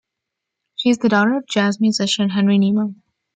She is the daughter of jazz musician Henry Nemo.